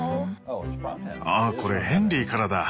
あっこれヘンリーからだ！